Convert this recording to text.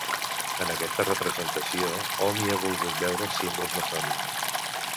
En aquesta representació, hom hi ha volgut veure símbols maçònics.